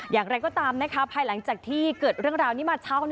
อย่างไรก็ตามนะคะภายหลังจากที่เกิดเรื่องราวนี้มาเช้า